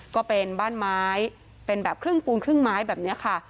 ก็เป็นบ้านไม้เป็นแบบครึ่งปูนครึ่งไม้แบบนี้ค่ะ